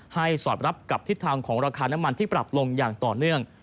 สอดรับกับทิศทางของราคาน้ำมันที่ปรับลงอย่างต่อเนื่อง